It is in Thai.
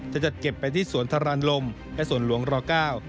จะจัดเก็บไปที่สวนทรานลมและสวนหลวงรเก้า